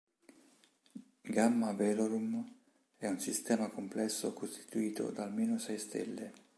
Gamma Velorum è un sistema complesso costituito da almeno sei stelle.